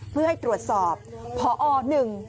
เพื่อให้ตรวจสอบพอหนึ่ง